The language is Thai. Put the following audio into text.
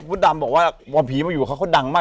ดำบอกว่าพอผีมาอยู่กับเขาเขาดังมาก